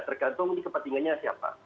tergantung ini kepentingannya siapa